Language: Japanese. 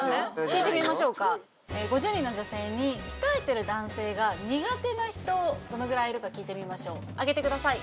聞いてみましょうか５０人の女性に鍛えてる男性が苦手な人どのぐらいいるか聞いてみましょうあげてください